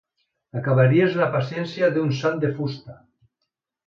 Acabaries la paciència d'un sant de fusta!